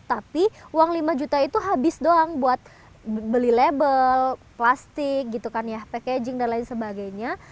tapi uang lima juta itu habis doang buat beli label plastik gitu kan ya packaging dan lain sebagainya